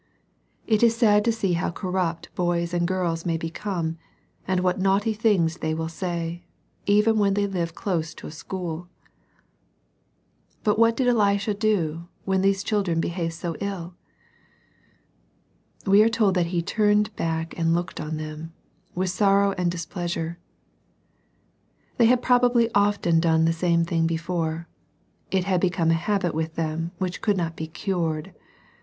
• It is sad to see how corrupt boys and girls may be come, and what naughty things they will say, even when they live close to a school ! But what did Elisha do when these children behaved so ill ? We are told that he " turned back and looked on them " with • sorrow and displeasure. They had probably often done the same" thing before. It had become a habit with them which could not be cured.